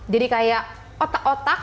jadi kayak otak otak